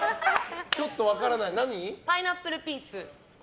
パイナップルピース。